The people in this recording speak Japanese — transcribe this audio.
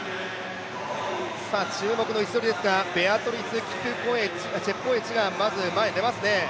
注目の位置取りですがベアトリス・チェプコエチがまず前に出ますね。